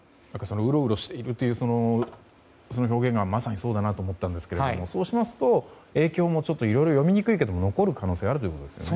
うろうろしているという表現が、まさにそうだなと思ったんですけどもそうしますと影響も読みにくいけど残る可能性があるということですね。